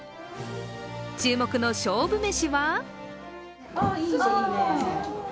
注目の勝負めしは？